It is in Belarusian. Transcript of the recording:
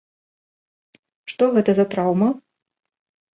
Што гэта за траўма?